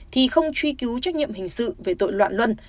thì không truy cứu trách nhiệm hình sự về tội loạn luân